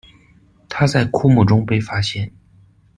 它在枯木中被发现。